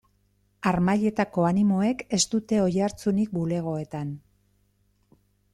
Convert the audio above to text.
Harmailetako animoek ez dute oihartzunik bulegoetan.